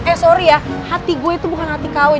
eh sorry ya hati gue tuh bukan hati kawet